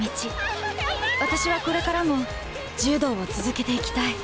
私はこれからも柔道を続けていきたい。